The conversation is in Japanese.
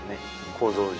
構造上。